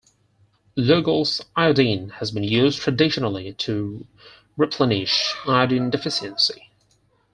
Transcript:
Lugol's iodine has been used traditionally to replenish iodine deficiency.